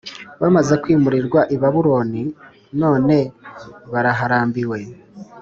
Bamaze kwimurirwa ibaburoni, none baraharambiwe